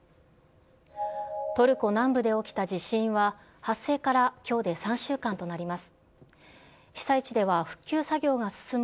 トルコ南部で起きた地震は、発生からきょうで３週間となります。